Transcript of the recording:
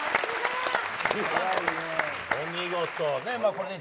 お見事！